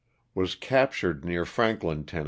Was captured near Franklin, Tenn.